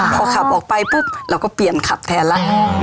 พอขับออกไปปุ๊บเราก็เปลี่ยนขับแทนแล้ว